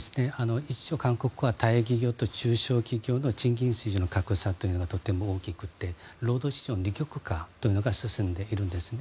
韓国は大企業と中小企業の賃金水準の格差というのがとても大きくて労働市場の二極化というのが進んでいるんですね。